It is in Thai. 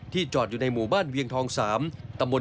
ที่จอดอยู่ในหมู่บ้านเวียงทองล์๓